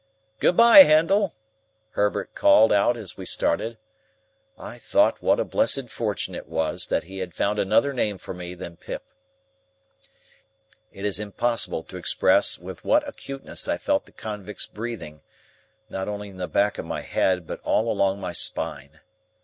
"Good bye, Handel!" Herbert called out as we started. I thought what a blessed fortune it was, that he had found another name for me than Pip. It is impossible to express with what acuteness I felt the convict's breathing, not only on the back of my head, but all along my spine.